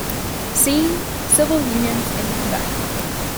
See: Civil unions in Quebec.